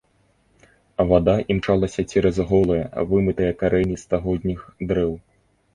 Вада імчалася цераз голыя, вымытыя карэнні стагодніх дрэў.